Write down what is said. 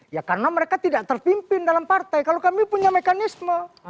ya karena mereka tidak terpimpin dalam partai kalau kami punya mekanisme